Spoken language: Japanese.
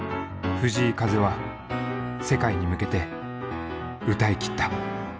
藤井風は世界に向けて歌い切った。